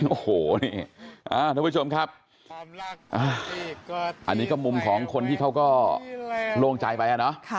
โอ้โหี่นี่ครับอันนี้ก็มุมของคนที่เขาก็โล่งใจไปเนอะ